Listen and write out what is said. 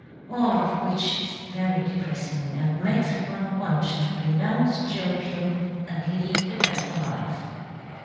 All of which is very depressing, and makes one want to renounce joking and lead a better life.